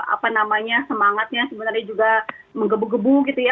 apa namanya semangatnya sebenarnya juga menggebu gebu gitu ya